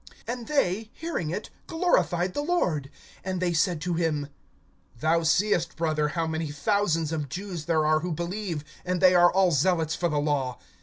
(20)And they, hearing it, glorified the Lord. And they said to him: Thou seest, brother, how many thousands of Jews there are who believe; and they are all zealots for the law.